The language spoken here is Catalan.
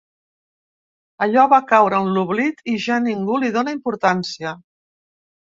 Allò va caure en l'oblit i ja ningú li dona importància.